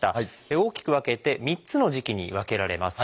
大きく分けて３つの時期に分けられます。